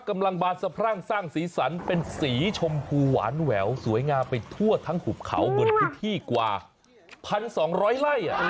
อำเภอด่าซ้ายจังหวัดเลยครับ